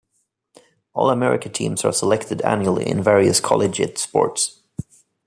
All-America teams are selected annually in various collegiate sports.